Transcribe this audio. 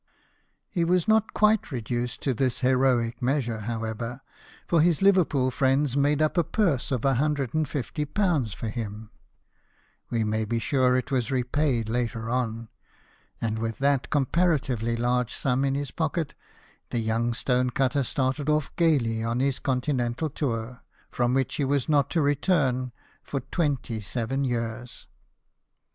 He was not quite reduced to this heroic measure, however, for his Liverpool friends made up a purse of ^150 for him (we may be sure it was repaid later on) ; and with that comparatively large sum in his pocket the young stone cutter started off gaily on his continental tour, from which he was not to return for twenty seven years.